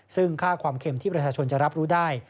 ซึ่งค่าความเข็มที่ประชาชนจะรับรู้ได้